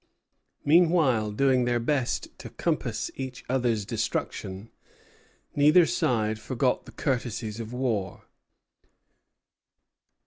Meantime, while doing their best to compass each other's destruction, neither side forgot the courtesies of war.